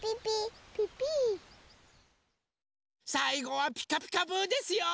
さいごは「ピカピカブ！」ですよ！